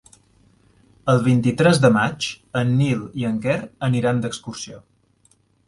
El vint-i-tres de maig en Nil i en Quer aniran d'excursió.